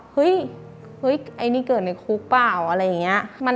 เฮ้ยไอ้นี่เกิดในคุกเปล่าอะไรอย่างนี้